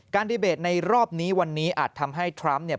การดีเบตในรอบนี้วันนี้อาจทำให้ทรัมป์